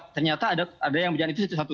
ternyata ada yang berjalan itu satu satu